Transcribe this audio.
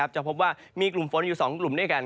จะพบว่ามีกลุ่มฝนอยู่๒กลุ่มด้วยกัน